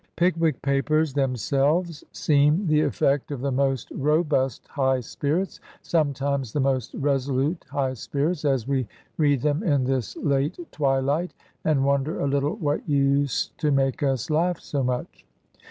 ''Pickwick Papers'' themselves seem the effect of the most robust high spirits, sometimes the most resolute high spirits, as we read them in this late twilight, and wonder a little what used to make us laugh so much.